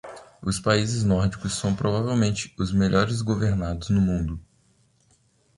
Os países nórdicos são provavelmente os melhores governados no mundo.